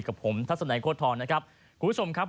กับผมทัศนัยโค้ดทองนะครับคุณผู้ชมครับ